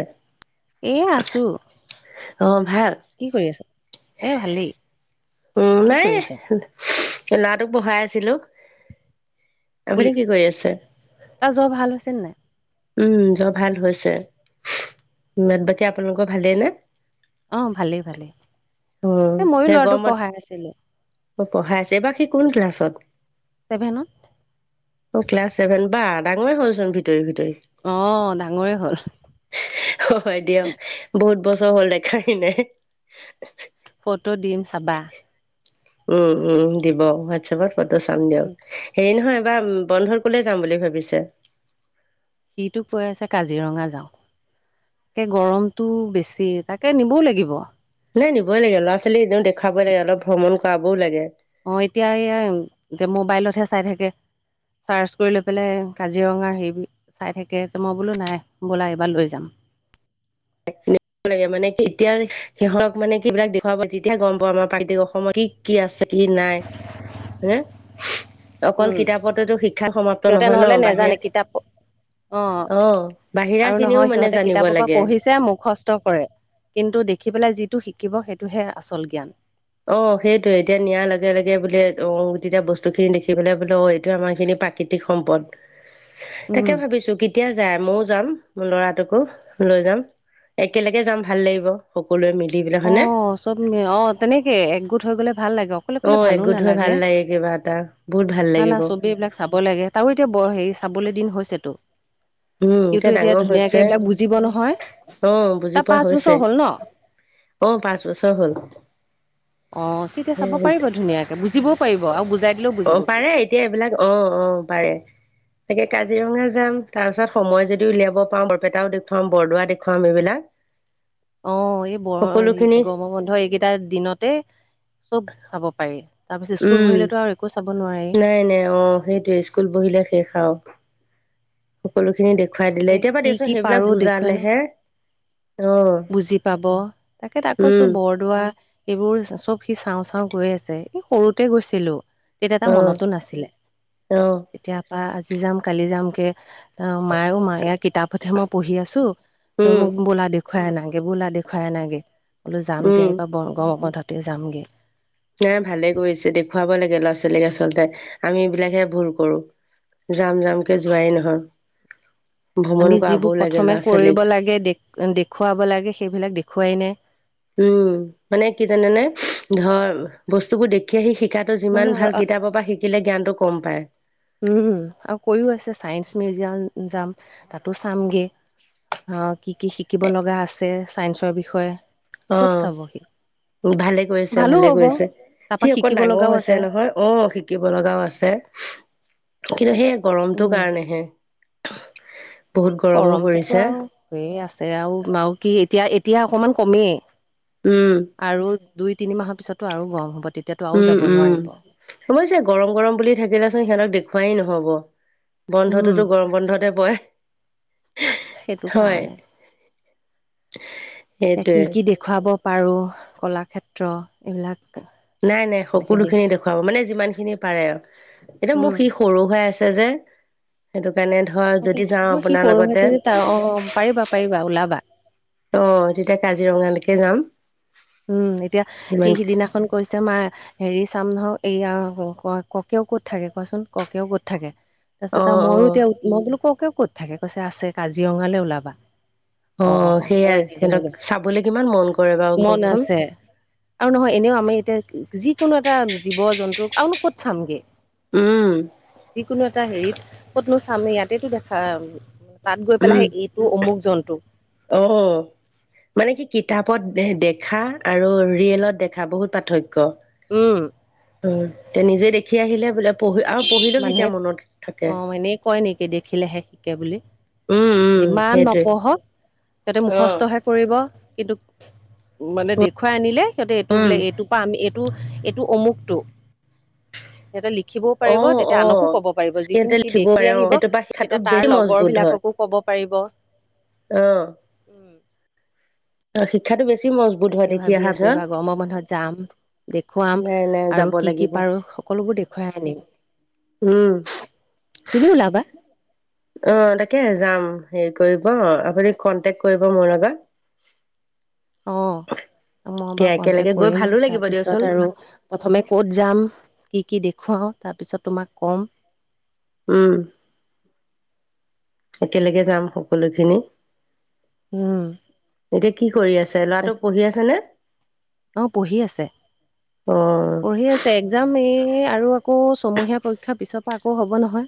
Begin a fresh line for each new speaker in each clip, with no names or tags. এ
এইয়া আছো।
ভাল
কি কৰি আছ? এ ভালেই।
উম,
কি
নাই
কৰি আছ
ল'ৰাটোক পঢ়াই আছিলো।
পুল
আপুনি কি কৰি আছে।
তাৰ জ্বৰ ভাল হৈছে নে নাই
উম, জ্বৰ ভাল হৈছে,
অ
বাকী আপোনালোকৰ ভালেই নে?
অ ভালেই ভালেই। এই মইো
সেই
ল'ৰাটোক
গৰমত
পঢ়াই আছিলো।
অ' পঢ়াই আছে, এইবাৰ সি কোন ক্লাছত?
ছেভেনত
অ' ক্লাছ ছেভেন বা! ডাঙৰে হ'লচোন ভিতৰি ভিত তৰি,
অ ডাঙৰে হ'ল
হয় দিয়ক বহুত বস ছৰ হল দেখাই নাই।
ফটো দিম চাবা।
উম উম দিব হোৱাটছএপত ফটো চাম দিয়ক।
উম,
হেৰি নহয়, বন্ধত ক'লে যাম বুলি ভাবিছে?
সিটো কৈ আছে কাজিৰঙা যাওঁ। তাকে গৰমটো বেছি, তাকে নিবও লাগিব।
নাই নিবই লাগে, ল'ৰা-ছোৱালী এনেও দেখুৱাবই লাগে অলপ ভ্ৰমণ কৰাবও লাগে।
অ', এতিয়া এইয়া মোবাইলতহে চাই থাকে। চাৰ্চ কৰি লৈ পেলাই কাজিৰঙা হেৰি চাই থাকে, মই বোলো নাই ব'লা এইবাৰ লৈ যাম।
[inaudible] লাগে মানে এতিয়া সিহঁক মানে কিবিলাক দেখুৱাবা তেতিয়া গম পাওঁ আমাৰ প্ৰাকৃতক অসমত কি কি আছে? কি নাই? হে। অকল
উম
কিতাপতেতো শিক্ষাত সমাপ্ত
সিহঁতে
নহয় ন?
নহ'লে
বাহিৰা
নেজানে কিতাপ অ
অ', বাহিৰা খিনিও মানে জানিব লাগে।
কষ্ট কৰে কিন্তু দেখি পেলাই যিটো শিকিব সেইটোহে আচল জ্ঞান।
অ' সেইটোয়ে এতিয়া নিয়াৰ লগে লগে বোলে অং তিতিয়া বস্তু খিনি দেখি পেলে বোলে অ' এইটো আমাৰ খিনি প্ৰাকৃতিক সম্পদ,
উম
তাকে ভাবিছো! কেতিয়া যায়? মও যাম, মোৰ লৰাটোকো লৈ যাম, একেলগে যাম ভাল লাগিব। সকলোৱে মিলি পেলাক হয়নে।
অ' চব অ' তেনেকে একগোট হৈ গ'লে ভাল লাগে অকলে
অ
কলে ভালো
একগোট হৈ
নালাগে।
ভাল লাগে কিবা এটা বহুত ভাল
নাই না
লাগিব
চবি এইবিলাক চাব লাগে তাৰো এতিয়া হেৰি চাবলৈ দিন হৈছেতো।
উম
সতো এতিয়া
ডাঙৰ
ধুনীয়াকে
হৈছে
এইবিলাক বুজিব নহয়।
অ বুজি
তাৰ
পোৱা
পাঁচ
হৈছে
বছৰ হ'ল ন।
অ পাঁচ বছৰ হ'ল।
অঁ তেতিয়া চাব পাৰিব ধুনীয়াকে বুজিবও পাৰিব আৰু বুজাই দিলেও বুজিব সি।
অঁ পাৰে তাকে কাজিৰঙা যাম। তাৰপিছত সময় যদি উলিয়াব পাওঁ বৰপেটাও দেখুৱাম বৰদোৱা দেখুৱাম এইবিলাক।
অঁ এই ব
সকলোখিনি
গম বন্ধ এইকেইটা দিনতে চব চাব পাৰি। তাৰপিছত স্কুল
উম
বহিলেতো আৰু একো চাব নোৱাৰি
নাই নাই অঁ সেইটোয়ে স্কুল বহিলে শেষ। আৰু সকলোখিনি দেখুৱাই দিলে এতিয়া পৰা
কি কি
দেচোন সেইবিলাক
পাৰো দেখুৱাই ন
বুজালেহে অ
বুজি পাব তাকে ত আকৌ কইছো
উম
বৰদোৱা এইবোৰ চব সি চাওঁ চাওঁ গৈ আছে এই সৰুতে গৈছিলো। তেতি এটা
অ
মনতো নাছিলে
অ
তেতিয় পৰা আজি যাম কালি যাম কে অ', মায়ো মা ইয়াৰ কিতাপতহে মই পঢ়ি আছোঁ তই
উম
মোক বোলা দেখ দেখুৱাই আনাগে, বোলা দেখুৱাই আনাগে, বোলো যাম
উম
দিয়া এইবাৰ [unintelligible] যামগে।
নাই ভালে কৰিছে দেখুৱাব লাগে ল'ৰা ছোৱালীক আচলতে আমি এইবিলাকে ভুল কৰো। যাম যামক যোৱাই নহয়। ভ্ৰমণ
আমি
কৰাবও
যিবোৰ
লাগে
প্ৰথমে
ল'ৰা ছোৱালীক।
কৰিব লাগে দে দেখুৱাব লাগে সেইবিলাক দেখুৱাই নাই।
উম মানে কি তেনে ধৰ বস্তুবোৰ দেখি আহি শ শিকাতটো
নহয়
যিমান ভাল
নহয়
কিতাপৰ পৰা শিকিলে জ্ঞানটো কম পায়।
উমম আৰু কৈও আছে ছায়েন্স মিউজিয়াম যাম তাতো চামগে। অঁ কি কি শিকিব লগা আছে চাইন্সৰ বিষয়ে চব চাবহি
উ ভালে কৰিছে ভালে কৰিছে
তাৰপা
সি অকণ
শিকিব
ডাঙৰ
লগাও আছে
হৈছে নহয় অ শিকিব লগাও আছে কিন্তু সেই গৰমটো কাৰণেহে বহুত
এই
গৰমো
গৰমটোতো
পৰিছে।
আৰু হৈয়ে আছে আও মাও কি এতিয়া এতিয়া অকমান কমেই
উম,
আৰু দুই তিনি মাহৰ পিছতো আৰু গৰম হ'ব তেতিয়াতো আৰু
উম
যাব
উম
নোৱাৰিব
অৱশ্যে গৰম গৰম বুলি থাকিলাচোন সিহঁতক দেখুৱাই নহব
উম,
বন্ধটোতো গৰম বন্ধতে পয়
সেইটো কাৰণে
[unintelligible]
এতিয়া কি কি দেখুৱাব পাৰো কলাক্ষেত্ৰ এইবিলাক
নাই নাই
তেনেকে
সকলো
দিয়ে
খিনি দেখুৱাব মানে যিমান খিনি পাৰে আ এতিয়া
উম,
মোৰ সি সৰু হৈ আছ ছে যে সেইটো কাৰণে ধৰ যদি যাওঁ
সি
আপোনাৰ
সৰু হৈছে
লগতে
যে তাৰ অ', পাৰিবা পাৰিবা ওলাবা।
ত তেতিয়া কাজিৰঙালৈকে যাম
উম এতিয়া সি
ইমান
সিদিনাখন কৈছে মা হেৰি চাম ধৰক এইয়া ক ককেও ক'ত থাকে কোৱাচোন ককেও ক'ত থাকে
অ
তাৰপিছত আৰু
অ
মইয়ো এতিয়া মই বোলো ককেও ক'ত থাকে কৈছে আছে কাজিৰঙালৈ ওলাবা
অ
হয়
সেইয়াই
নেকি
সিহঁতক
বোলো
চাবলে কিমান মন কৰে বাৰু
মন
কওকচোন
আছে আৰু নহয় এনেও আমি এতিয়া যিকোনো এটা জীৱ-জন্তুৰ আওনো ক'ত চামগে
উম
যিকোনো এট টা হেৰিত ক'তনো চাম ইয়াতেতো দেখাম তাত গৈ পেলাই সেই এইটো অমুক জন্তু
টোহ মানে কি কিতাপত দেখা আৰু ৰিয়েলত দেখা বহুত পাৰ্থক্য
উম
অ তে নিজে দেখি আহিলে বোলে পঢ়ি আৰু পঢ়িলেও তেতিয়া
মানুহে
মনত থাকে
অ এনেই কয় নেকি দেখিলেহে শিকে বুলি
উম উম
যিমান
সেইটোৱে
নপঢ়ক সিহঁতে মুখস্থহে
অ
কৰিব কিন্তু মানে দেখুৱাই আনিলে সিহঁতে এইটো
উম
বোলে এইটোৰ পৰা আমি এইটো এইটো অমুকটো সিহঁতে লিখে দিবও
অ
পাৰিব তেতিয়া
অ
আনকো ক'ব পাৰিব
সিহঁতে
যিখিনি সি
লিখিব
দেখি
পাৰে অ
আহিব
সেইটো পৰা শিক্ষাটো
তেতিয়া
বেছি
তাৰ লগৰ বিলাককো ক'ব পাৰিব।
অহ।
উম
অ শিক্ষাটো বেছ
তাকে ভাবি আছো এইবাৰ গৰমৰ বন্ধত যাম দেখুৱাম
নাই নাই
আৰু
যাব
কি কি
লাগিব
পাৰো। সকলোবোৰ দেখুৱাই আনিম।
উম।
তুমি ওলাবা।
অ তাকে যাম হেৰি কৰিব আপুনি কনটেক কৰিব মোৰ লগত। [inaudible]
অ। মই
এতিয়া
বাৰু কন্টেক
একেলগে গৈ
কৰিম
ভালো লাগিব দিয়কচোন
তাৰপিছত আৰু প্ৰথমে ক'ত যাম। কি কি দেখুৱাওঁ তাৰপিছত তোমাক ক'ম।
উম একেলগে যাম সকলোখিনি।
উ।
এতিয়া কি কৰি আছে ল'ৰাটোক পঢ়ি আছে নে?
অ পঢ়ি আছে।
অ
পঢ়ি আছে একজাম এ এ আৰু আকৌ ছমহীয়া পৰীক্ষাৰ পিছৰ পৰা আকৌ হ'ব নহয়।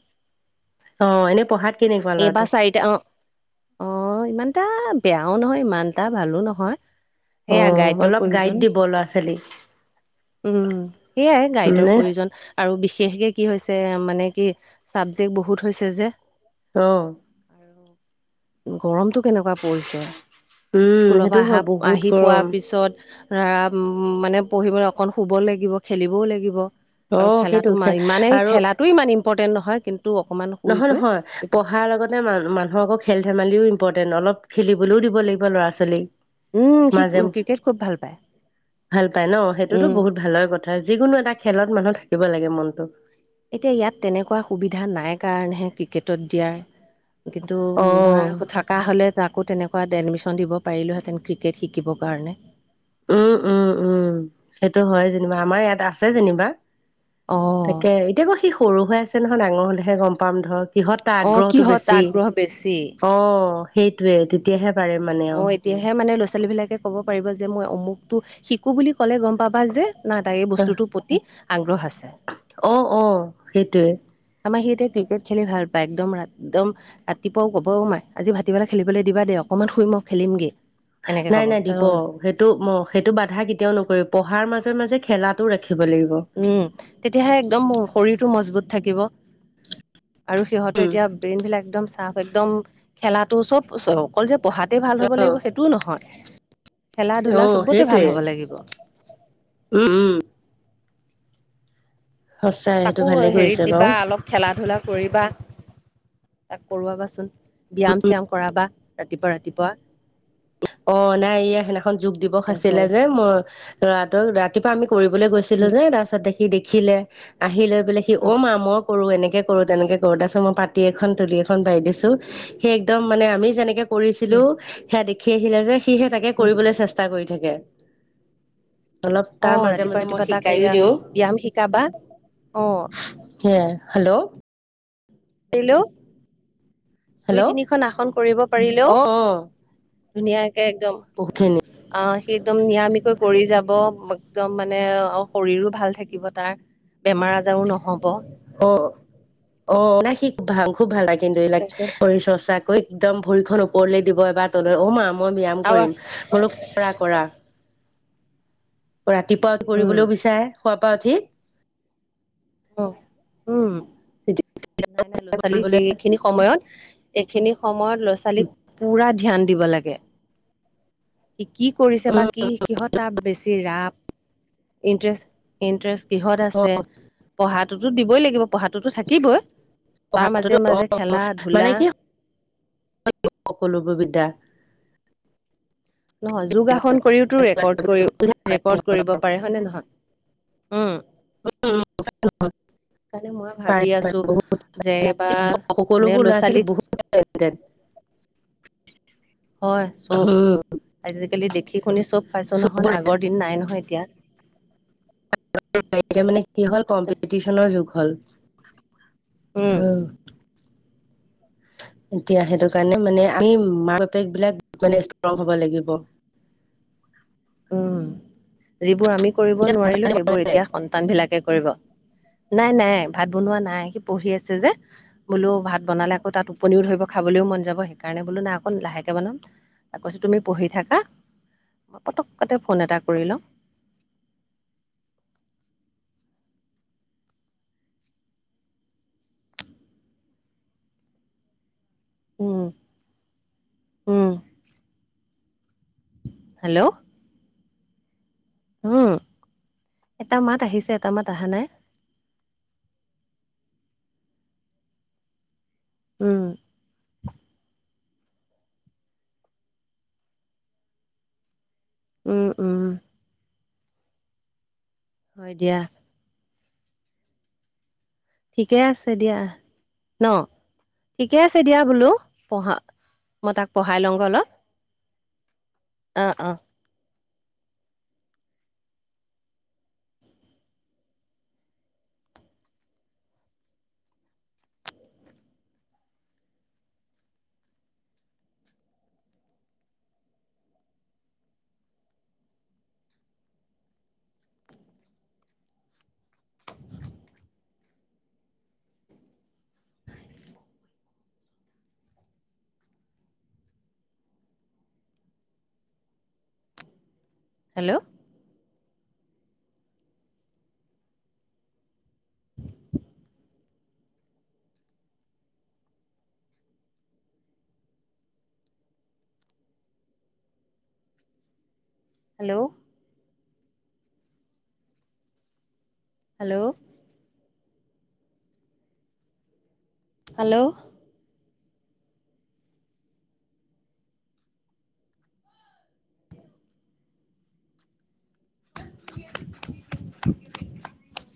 অ এনে পঢ়াত কেনেকুৱা
এবা
ল'ৰাটো
চাইটা অ অ ইমান এটা বেয়াও নহয়, ইমান এটা ভালো নহয়।
অ
সেয়া গাইডৰ
অলপ গাইড
প্ৰয়োজন
দিব ল'ৰা-ছোৱালীক।
উম সেইয়াই গাইতৰ
মানে
প্ৰয়োজন আৰু বিশেষকে কি হৈছে মানে কি চাবজেক্ট বহুত হৈছে যে।
অ'।
গৰমতটো কেনেকুৱা পৰিছে।
উম
স্কুলৰ পৰা
সেইটো
আহা
হয় বহুত
আহি পোৱা
গৰম
পিছত ধৰা মানে পঢ়িবলৈ অকণ শুব লাগিব, খেলিবও লাগিব। আৰু
অ' সেইটো
খেলাটো
খে
ইমানেই
আৰু
খেলাটো ইমান ইম্পৰ্টেণ্ট নহয়। কিন্তু, অকণমান
নহয়,
শুইকৈ
নহয় পঢ়াৰ লগতে মান মানুহৰ আকৌ খেল ধেমালিও ইম্পৰ্টেণ্ট অলপ খেলিবলৈও দিব লাগিব ল'ৰা ছোৱালীক
উম, সি
মাজে
ক্ৰিকেট খুব ভাল পায়।
ভাল পাই ন সেইটোতো
উম।
বহুত ভালৰ কথা, যিকোনো এটা খেলত মানুহ থাকিব লাগে মনতটো।
এতিয়া ইয়াত তেনেকুৱা সুবিধা নাই কাৰণেহে ক্ৰিকেটত দিয়াৰ। কিন্তু
অ'
ধৰা থকা হ'লে তাক তাকৌ তেনেকুৱাত এডমিশ্যন দিব পাৰিলোঁহেতেন ক্ৰিকেট শিকিবৰ কাৰণে
উম, উম, উম সেইটো হয় যেনিবা, আমাৰ ইয়াত আছে যেনিবা।
অ',
তাকে এতিয়া অ'ক সি সৰু হৈ আছে নহয় ডাঙৰ হ'লে হে গ'ম পাম ধৰক। কিহত তাৰ
অ',
আগ্ৰহটো
কিহত
বেছি
আগ্ৰহ বেছি?
অ' সেইটোৱে তেতিয়াহে পাৰে মানে আৰু
অ' এতিয়াহে মানে ল'ৰা ছোৱালী বিলাকে ক'ব পাৰিব যে মই অমুকটো শিকো বুলি ক'লে গ'ম পাবা যে নাই তাই এই বস্তুটোৰ প্ৰতি আগ্ৰহ আছে।
অ' অ' সেইটোৱে
আমাৰ সি এতিয়া ক্ৰিকেট খেলি ভাল পায় একদম দম ৰাতিপুৱাও ক'ব অহ' মাৰ আজি ভাটিবেলা খেলিবলৈ দিবা দেই অকনমান শুই মই খেলিমগৈ।
নাই নাই দিব সেইটো ম সেইটো বাধা কেতিয়াও নকৰিবি পঢ়াৰ মাজে মাজে খেলাটো ৰাখিব। লাগিব।
উম, তেতিয়াহে একদম শৰীৰটো মজবুত থাকিব। আৰু সিহঁতে
উম
এতিয়া ব্ৰেইন বিলাক একদম চাৰ্ফ একদম খেলাটো চ'ব অকল যে পঢ়াতে ভাল হ'ব লাগিব, সেইটোও নহয় খেলা ধূলা
অহ'
চবতে ভাল
সেইটোৱে
হ'ব লাগিব।
উম, উম। সঁচাই সেইটো
তাকো
ভালে
হেৰিত
কৰিছে
দিবা
বাৰু
অলপ খেলা ধূলাত। কৰিবা, তাক কৰোৱাবাচোন ব্যায়াম-চ্যাম কৰাবা। ৰাতিপুৱা, ৰাতিপুৱা।
অ' নাই এইয়া সেইদিনাখন যোগ দিৱস
এতিয়া জ্বৰ
আছিলে যে। মই লৰাটোক ৰাতিপুৱা আমি কৰিবলৈ গৈছিলো
উম,
যে তাৰপিছতে সি দেখিলে আহি লৈ পেলে সি
উম,
অ' মা মই কৰোঁ। এনেকে, কৰো তেনেকে কৰো তাৰপিছত মই পাতি এখন তুলি এখন পাৰি দিছো। সি একদম মানে আমি যেনেকে কৰিছিলো
উম,
সেয়া দেখি আহিলে যে সি হে তাকে
উম।
কৰিবলে চেষ্টা কৰি থাকে। অলপ তাৰ
অ' ৰাতিপুৱা
মাজে-মাজে মই
ৰাতিপুৱা তাক
শিকাইও
এয়া
দিওঁ
ব্যায়াম শিকাবা অ'
সেয়াই। হেল্ল'!
দিলোঁ,
হেল্ল' অ
দুই-তিনিখন আসন কৰিব পাৰিলেও
অ
ধুনীয়াকে একদম
বহুতখিনি
আহ সি একদম নিৰামিকৈ কৰি যাব। একদম মানে অ' শৰীৰো ভাল থাকিব তাৰ। বেমাৰ আজাৰো নহ'ব
অ' আহ মানে সি খুব ভাল খুব ভাল লাগে কিন্তু
তাৰপিছত
[unintelligible] একদম ভৰি খন ওপৰলৈ দিব এবাৰ তললৈ, অ' মা মই ব্যায়াম
আৰু
কৰিম। বোলো, কৰা কৰা। ৰাতিপুৱা
উম
কৰিবলও বিচাৰে, শুৱা পৰা উঠি।
উম, নাই নাই ল'ৰা-ছোৱালী
কৰিবলৈ
এইখিনি সময়ত খিনি সময়ত লৰা-ছোৱালীক পুৰা ধ্যান দিব লাগে। সি কি কৰিছে? বা
উম
কি কিহত তাৰ বেছি ৰাপ ইণ্টাৰেষ্ট-ইণ্টাৰেষ্ট, কিহত আছে পঢ়াটোতো দিবই লাগিব, পঢ়াটোতো থাকিবই। তাৰ মাজে
পঢ়াটোতো
মাজে
অ'
খেলা
মানে
ধূলা
কি [inaudible]
নহয় যোগাসন কৰিওতো ৰেকৰ্ড কৰিও ৰেকৰ্ড কৰিব পাৰে। হয় নে নহয়? উম। সেইকাৰণে মইও ভাবি আছো
বহুত
যে এবাৰ নে
সকলোবোৰ ল'ৰা ছোৱালী
ল'ৰা-ছোৱালীকচ
বহুত
হয় চব
উম
আজিকালি দেখি শুনি চব পাইছো নহয়
চবৰে
আগৰ দিন নাই নহয় এতিয়া।
[unintelligible] এতিয়া মানে কি হ'ল কম্পিটিচনৰ যুগ হ'ল
উম
অহ, [unintelligible] এতিয়া সেইটো কাৰণে মানে আমি মাক- বাপেক বিলাক মানে ষ্ট্ৰং হব লাগিব। [inaudible]
উম, এইবোৰ আমি কৰিব নোৱাৰিলোঁ সেইবোৰ এতিয়া সন্তান বিলাকে কৰিব। নাই-নাই ভাত বনোৱা নাই সি পঢ়ি আছে যে বোলো ভাত বনালে আকৌ তাত টোপনিও ধৰিব খাবলৈ তো মন যাব সেইকাৰণে বোলো নাই অকণ লাহেকে বনাম কৈছো তুমি পঢ়ি থাকা
[inaudible]
পটকতে ফোন এটা কৰি লওঁ। উম, উম। হেল্ল', উম, এটা মাত আহিছে, এটা মাত অহা নাই।
[inaudible]
উম, উম-উম হয় দিয়া। ঠিকে আছে দিয়া, ন'। ঠিকে আছে দিয়া বোলো পঢ়া মই তাক পঢ়াই লওঁগৈ অলপ। অ', অ'। হেল্ল', হেল্ল', হেল্ল', হেল্ল' [unintelligible]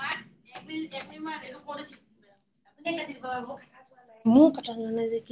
মাৰ এপ্ৰ এপ্ৰিল মাৰ এইটো কৰিছিলে মোৰ কথাৱা নাই যে